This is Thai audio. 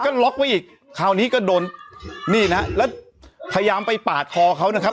ก็ล็อกไว้อีกคราวนี้ก็โดนนี่นะแล้วพยายามไปปาดคอเขานะครับ